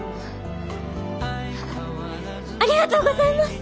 ありがとうございます！